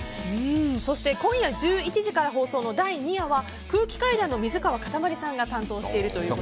そして今夜１１時から放送の第２夜は空気階段の水川かたまりさんが担当しているという。